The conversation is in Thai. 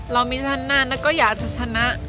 เรามีท่านหน้าแล้วก็อยากจะชนะ